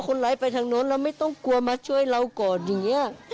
คนร้ายไปทางโน้นเราไม่ต้องกลัวมาช่วยเราก่อนอย่างนี้